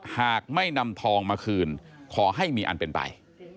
หากไม่นำทองมาคืนขอให้มีอันเป็นไป